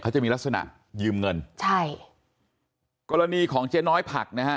เขาจะมีลักษณะยืมเงินใช่กรณีของเจ๊น้อยผักนะฮะ